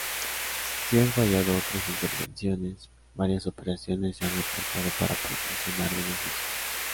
Si han fallado otras intervenciones, varias operaciones se han reportado para proporcionar beneficio.